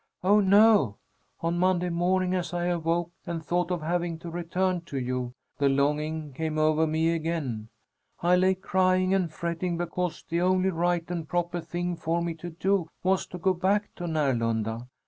"Oh, no! On Monday morning, as I awoke and thought of having to return to you, the longing came over me again. I lay crying and fretting because the only right and proper thing for me to do was to go back to Närlunda.